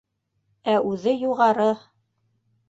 Ә үҙе юғары!..